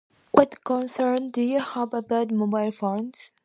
What concern do you have about mobile phones?